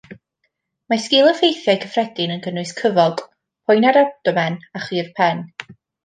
Mae sgil-effeithiau cyffredin yn cynnwys cyfog, poenau'r abdomen, a chur pen.